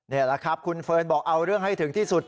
นี่แหละครับคุณเฟิร์นบอกเอาเรื่องให้ถึงที่สุด